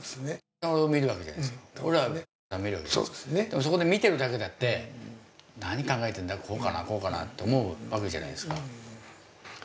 そこで見てるだけでなく、何考えてるんだろう、こうかな、こうかなと思うわけじゃないですか。